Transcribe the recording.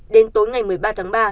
đến tối ngày một mươi ba tháng ba